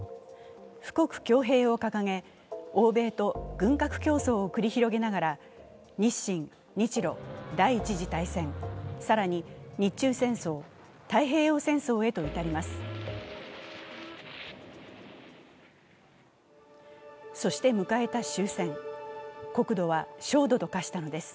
富国強兵を掲げ、欧米と軍拡競争を繰り広げながら日清、日露、第一次大戦、更に日中戦争、太平洋戦争へと至ります。